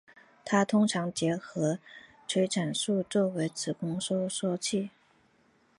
它通常结合催产素作为子宫收缩剂。